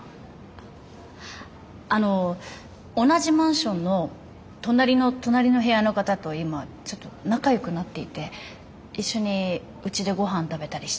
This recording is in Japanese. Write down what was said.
あの同じマンションの隣の隣の部屋の方と今ちょっと仲よくなっていて一緒にうちでごはん食べたりしてて。